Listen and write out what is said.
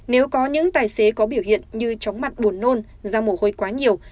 nếu có những tài xế có biểu hiện như chóng mặt buồn nôn da mồ hôi quá nhiều